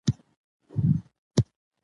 که علم عام سي نو د جهالت تیارې نه پاتې کېږي.